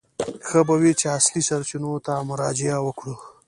ښه به وي چې اصلي سرچینو ته مراجعه وکړو.